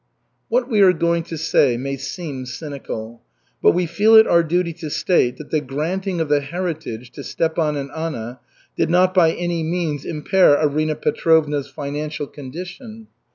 What we are going to say may seem cynical, but we feel it our duty to state that the granting of the heritage to Stepan and Anna did not by any means impair Arina Petrovna's financial condition.